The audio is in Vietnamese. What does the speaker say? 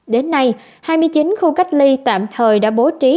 đến nay hai mươi chín khu cách ly tạm thời đã bố trí